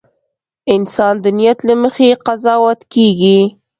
• انسان د نیت له مخې قضاوت کېږي.